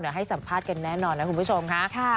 เดี๋ยวให้สัมภาษณ์กันแน่นอนนะคุณผู้ชมค่ะ